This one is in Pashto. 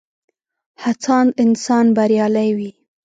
هڅاند انسان بريالی وي.